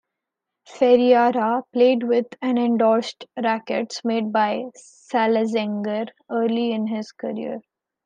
Ferreira played with and endorsed rackets made by Slazenger early in his career.